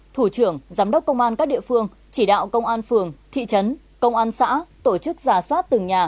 thủ trưởng giám đốc công an các địa phương chỉ đạo công an phường thị trấn công an xã tổ chức giả soát từng nhà